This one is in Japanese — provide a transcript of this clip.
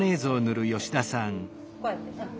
こうやって。